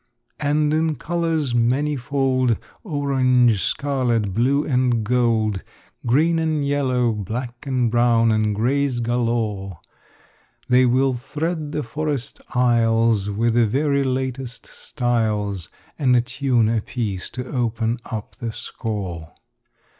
And in colors manifold, Orange, scarlet, blue, and gold, Green and yellow, black, and brown and grays galore, They will thread the forest aisles With the very latest styles, And a tune apiece to open up the score.